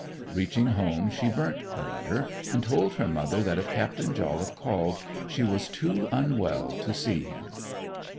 Reaching home she burnt the letter, and told her mother that if Captain Jolliffe called she was too unwell to see him.